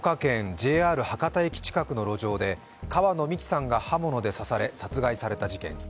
ＪＲ博多駅近くの路上で川野美樹さんが刃物で刺され殺害された事件。